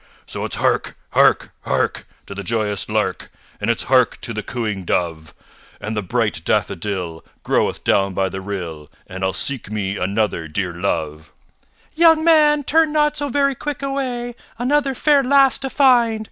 So it's hark! hark! hark! To the joyous lark And it's hark to the cooing dove! And the bright daffodil Groweth down by the rill, And I'll seek me another dear love. SHE "Young man, turn not so very quick away Another fair lass to find.